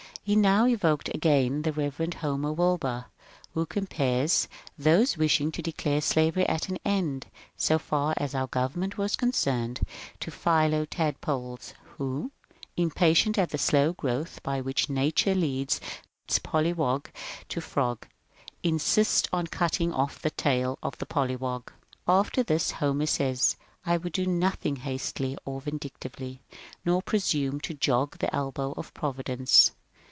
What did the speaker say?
He now evoked again the " Rev. Homer Wilbur," who compares those wishing to declare slavery at an end, so far as our government was con cerned, to philotadpoles who, impatient at the slow growth by which nature leads polliwog to frog, insist on cutting off the HOMER NODDING 849 polliwog*B tail. After this Homer says, ^^ I would do nothing hastily or vindictively, nor presume to jog the elbow of Provi dence.